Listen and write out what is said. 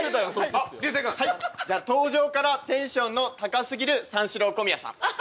じゃあ登場からテンションの高すぎる三四郎小宮さん。